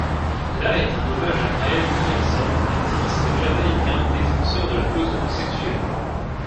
La est un hommage à Brian Williamson, activiste jamaïcain défenseur de la cause homosexuelle.